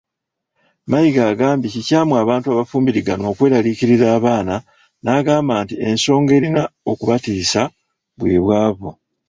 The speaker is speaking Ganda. Mayiga agambye kikyamu abantu abafumbiriganwa okweraliikirira abaana n'agamba nti ensonga erina okubatiisa bwe bwavu.